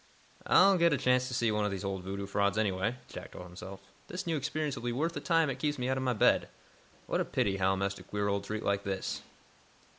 "I'll get a chance to see one of these old voodoo frauds, anyway," Jack told himself. "This new experience will be worth the time it keeps me out of my bed. What a pity Hal missed a queer old treat like this!"